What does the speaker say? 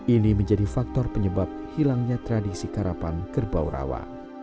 ini menjadi faktor penyebab hilangnya tradisi karapan kerbau rawa